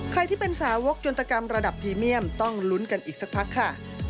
ใครที่เป็นสาวกยนตกรรมระดับพรีเมียมต้องลุ้นกันอีกสักพักค่ะ